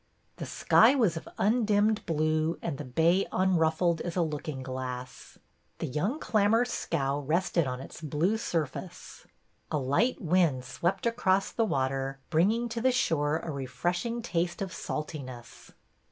The sky was of undimmed blue and the bay unruffled as a looking glass. The young clam mer's scow rested on its blue surface. A light wind swept across the water, bringing to the shore a refreshing taste of saltiness.